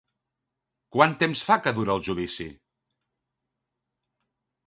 Quant temps fa que dura el judici?